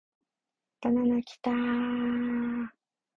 バナナキターーーーーー